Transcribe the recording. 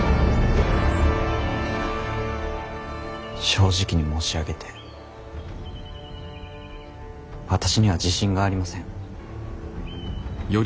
正直に申し上げて私には自信がありません。